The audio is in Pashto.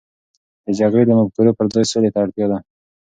د جګړې د مفکورو پر ځای، سولې ته اړتیا ده.